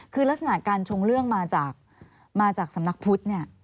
คือลักษณะการชงเรื่องมาจากสำนักพุทธเนี่ย